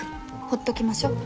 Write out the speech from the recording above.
ほっときましょう。